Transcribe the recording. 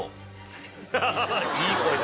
いい声で。